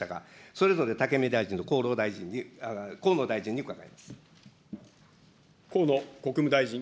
それぞれ武見大臣と河野大臣に伺います。